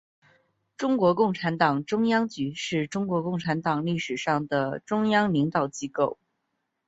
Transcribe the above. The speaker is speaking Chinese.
中国共产党中央局是中国共产党历史上的中央领导机构。